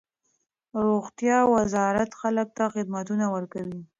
روغتیا وزارت خلک ته خدمتونه ورکوي.